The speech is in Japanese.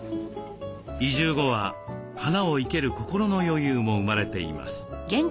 移住後は花を生ける心の余裕も生まれています。